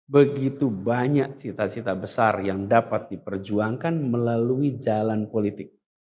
begitu banyak cita cita besar yang dapat diperjuangkan melalui jalan politik